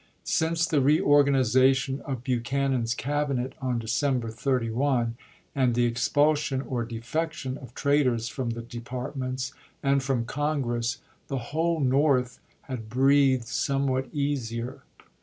Since the reorganization of Buch anan's Cabinet on December 31, and the expulsion i860. or defection of traitors from the departments and from Congress, the whole North had breathed somewhat easier.